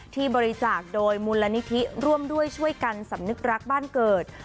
ที่บริจาคโดยมูลนิธิร่วมด้วยช่วยกันสำนึกรักบ้านเกิด